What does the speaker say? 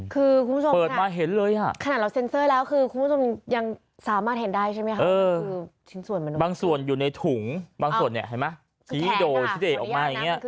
คือคุณผู้ชมค่ะ